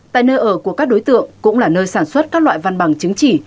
tại nơi ở của các đối tượng cũng là nơi sản xuất các loại văn bằng chứng chỉ